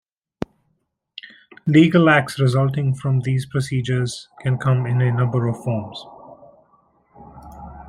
Legal acts resulting from these procedures can come in a number of forms.